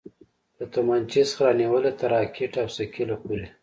له تمانچې څخه رانيولې تر راکټ او ثقيله پورې.